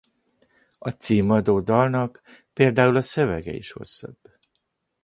A címadó dalnak például a szövege is hosszabb.